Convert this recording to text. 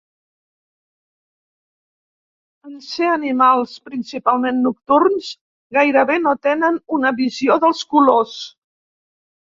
En ser animals principalment nocturns gairebé no tenen una visió dels colors.